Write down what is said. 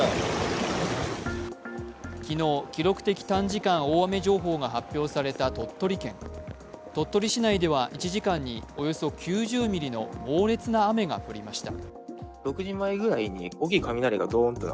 昨日、記録的短時間大雨情報が発表された鳥取県鳥取市内では１時間におよそ９０ミリの猛烈な雨が降りました。